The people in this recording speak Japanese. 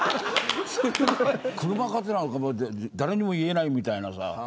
車を買ったなんて誰にも言えないみたいなさ。